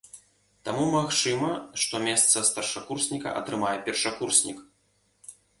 Таму магчыма, што месца старшакурсніка атрымае першакурснік.